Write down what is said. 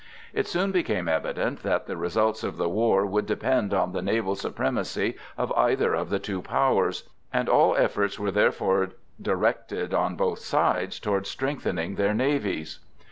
It soon became evident that the results of the war would depend on the naval supremacy of either of the two powers, and all efforts were therefore directed on both sides toward strengthening their navies.